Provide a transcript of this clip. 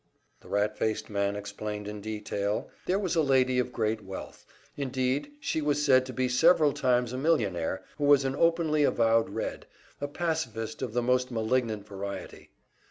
The rat faced man explained in detail. There was a lady of great wealth indeed, she was said to be several times a millionaire who was an openly avowed Red, a pacifist of the most malignant variety.